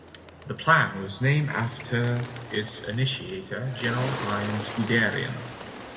The plan was named after its initiator General Heinz Guderian.